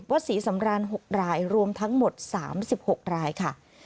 ศรีสำราน๖รายรวมทั้งหมด๓๖รายค่ะ